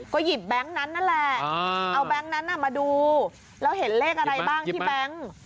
ก็หยิบแบงค์นั้นนั่นแหละเอาแบงค์นั้นมาดูแล้วเห็นเลขอะไรบ้างที่แบงค์